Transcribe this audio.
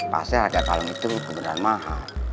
pasti harga kalung itu kebenar mahal